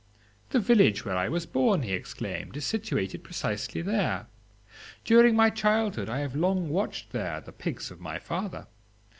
'The village where I was born,' he exclaimed, 'is situated precisely there. During my childhood I have long watched there the pigs of my father.